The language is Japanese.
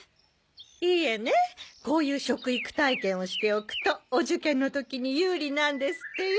いえねこういう食育体験をしておくとお受験の時に有利なんですってよ。